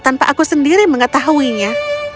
tanpa aku sendiri mengetahuinya